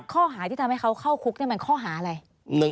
ข้อหาที่ทำให้เขาเข้าคุกนี่มันข้อหาอะไร